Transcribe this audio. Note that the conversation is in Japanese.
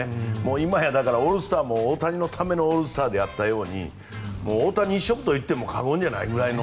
今や、オールスターも大谷のためのオールスターであったように大谷一色といっても過言じゃないくらいの。